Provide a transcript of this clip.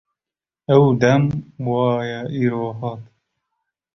Ew dem va ye îro hat.